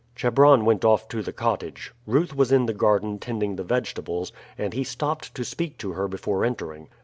Chebron went off to the cottage. Ruth was in the garden tending the vegetables, and he stopped to speak to her before entering.